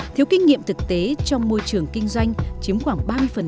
thiếu kinh nghiệm thực tế trong môi trường kinh doanh chiếm khoảng ba mươi